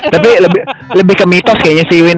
tapi lebih ke mitos kayaknya sih win